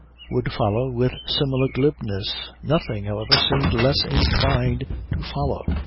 would follow with a similar glibness. Nothing, however, seemed less inclined to follow.